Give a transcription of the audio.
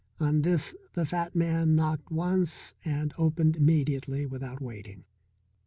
On this the fat man knocked once and opened immediately without waiting.